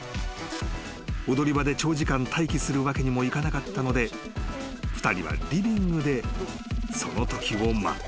［踊り場で長時間待機するわけにもいかなかったので２人はリビングでそのときを待った］